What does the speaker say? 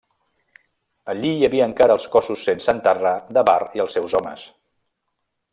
Allí hi havia encara els cossos sense enterrar de Var i els seus homes.